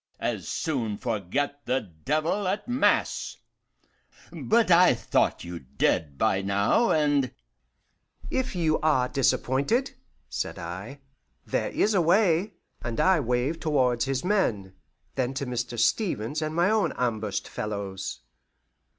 "As soon forget the devil at mass! But I thought you dead by now, and " "If you are disappointed," said I, "there is a way"; and I waved towards his men, then to Mr. Stevens and my own ambushed fellows.